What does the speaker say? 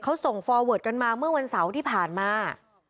เขาส่งกันมาเมื่อวันเสาร์ที่ผ่านมา